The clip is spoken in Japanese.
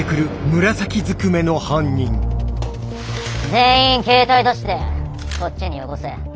全員携帯出してこっちによこせ。